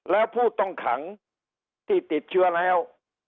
แล้วผู้ต้องขังที่ติดเชื้อแล้ว